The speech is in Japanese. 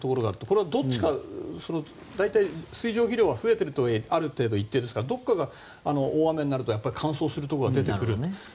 これは、どっちか大体、水蒸気量が増えているとはいえある程度一定ですからどこかが大雨になるとどこかが乾燥するところが出てくる。